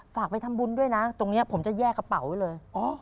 ไปทำบุญด้วยนะตรงนี้ผมจะแยกกระเป๋าไว้เลย